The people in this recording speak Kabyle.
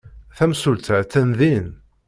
Tamsulta attan din.